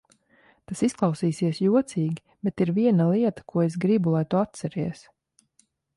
Tas izklausīsies jocīgi, bet ir viena lieta, ko es gribu, lai tu atceries.